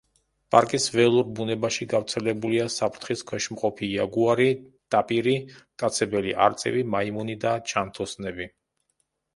პარკის ველურ ბუნებაში გავრცელებულია საფრთხის ქვეშ მყოფი იაგუარი, ტაპირი, მტაცებელი არწივი მაიმუნი და ჩანთოსნები.